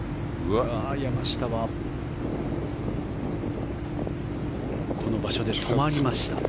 山下はこの場所で止まりました。